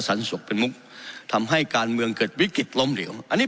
สันสุกเป็นมุคทำให้การเกิดวิคิตล้อมเหลี่วอันนี้